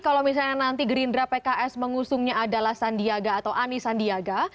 kalau misalnya nanti gerindra pks mengusungnya adalah sandiaga atau ani sandiaga